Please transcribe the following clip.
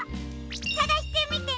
さがしてみてね！